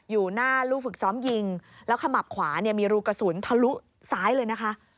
อยู่หน้าลูกฝึกซ้อมยิงแล้วขมับขวาเนี่ยมีรูกระสุนทะลุซ้ายเลยนะคะ